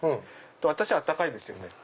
私温かいですよね